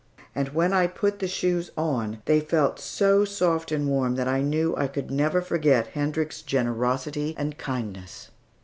And when I put the shoes on they felt so soft and warm that I knew I could never forget Hendrik's generosity and kindness.